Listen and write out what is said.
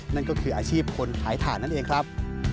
นั่นก็คืออาชีพคนขายถ่านนั่นเองครับ